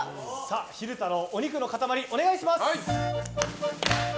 昼太郎、お肉の塊お願いします。